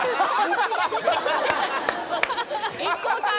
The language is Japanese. ＩＫＫＯさん